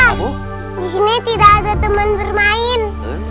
di sini tidak ada teman bermain